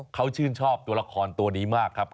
เขาชื่นชอบตัวละครตัวนี้มากครับ